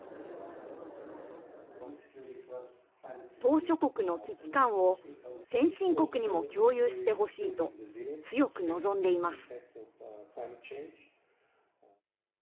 島しょ国の危機感を先進国にも共有してほしいと強く望んでいます。